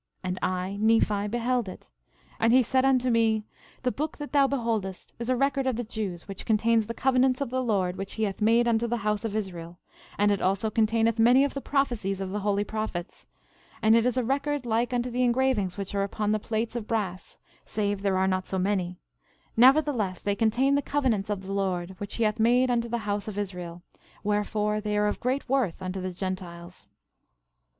And I, Nephi, beheld it; and he said unto me: The book that thou beholdest is a record of the Jews, which contains the covenants of the Lord, which he hath made unto the house of Israel; and it also containeth many of the prophecies of the holy prophets; and it is a record like unto the engravings which are upon the plates of brass, save there are not so many; nevertheless, they contain the covenants of the Lord, which he hath made unto the house of Israel; wherefore, they are of great worth unto the Gentiles.